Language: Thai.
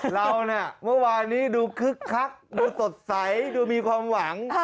เราเนี่ยเมื่อวานนี้ดูคึกคักดูสดใสดูมีความหวัง